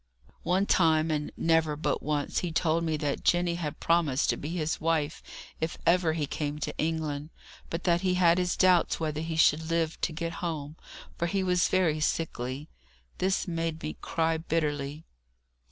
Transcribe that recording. One time, and never but once he told me that Jenny had promised to be his wife if ever he came to England, but that he had his doubts whether he should live to get home, for he was very sickly. This made me cry bitterly.